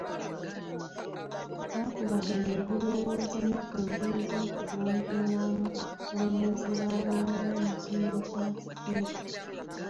Baakubaganya ebirowoozo ne ku ngeri z'okugonjoolamu okusoomoozebwa abaana b'amasomero kwe basanga.